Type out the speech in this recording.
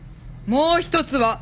もう一つは！